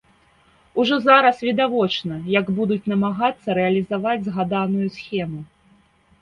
Ужо зараз відавочна, як будуць намагацца рэалізаваць згаданую схему.